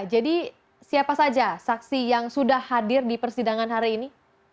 jadi siapa saja saksi yang sudah hadir di persidangan hari ini